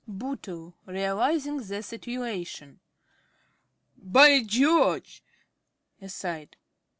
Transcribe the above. ~Bootle~ (realising the situation). By George! (_Aside.